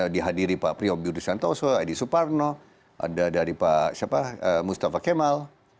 dihadiri pak priyobudur santoso pak edi suparno ada dari pak mustafa kemal